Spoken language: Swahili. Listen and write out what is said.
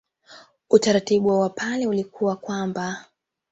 Utaratibu wa Wapare ulikuwa kwamba